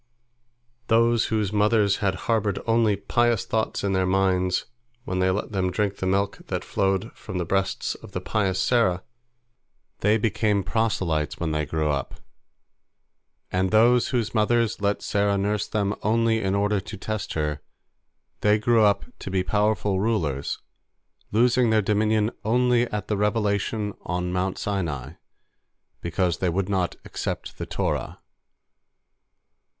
Those whose mothers had harbored only pious thoughts in their minds when they let them drink the milk that flowed from the breasts of the pious Sarah, they became proselytes when they grew up; and those whose mothers let Sarah nurse them only in order to test her, they grew up to be powerful rulers, losing their dominion only at the revelation on Mount Sinai, because they would not accept the Torah.